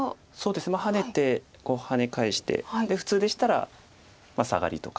ハネてハネ返して普通でしたらサガリとかですか。